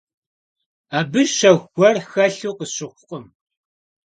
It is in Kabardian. Абы щэху гуэр хэлъу къысщыхъукъым.